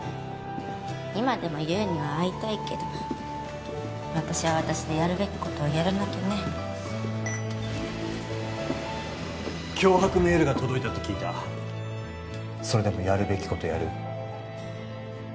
今でも優には会いたいけど私は私でやるべきことをやらなきゃね脅迫メールが届いたって聞いたそれでもやるべきことやる？